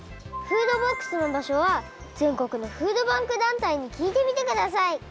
フードボックスのばしょは全国のフードバンク団体にきいてみてください。